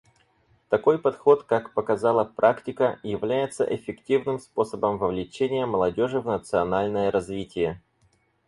Такой подход, как показала практика, является эффективным способом вовлечения молодежи в национальное развитие.